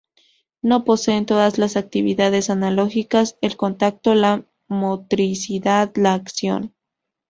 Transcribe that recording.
No poseen todas las actividades analógicas: el contacto, la motricidad, la acción.